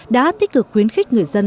đã tích cực khuyến khích người dân